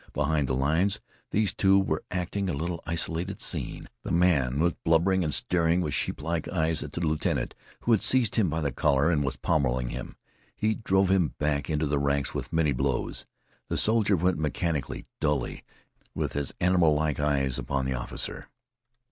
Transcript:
Behind the lines these two were acting a little isolated scene. The man was blubbering and staring with sheeplike eyes at the lieutenant, who had seized him by the collar and was pommeling him. He drove him back into the ranks with many blows. The soldier went mechanically, dully, with his animal like eyes upon the officer.